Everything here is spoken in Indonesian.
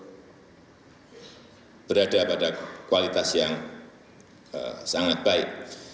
sdm kita betul betul berada pada kualitas yang sangat baik